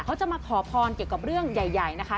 เขาจะมาขอพรเกี่ยวกับเรื่องใหญ่นะคะ